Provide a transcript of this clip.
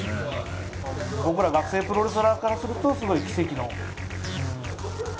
僕ら学生プロレスラーからするとすごい奇跡の。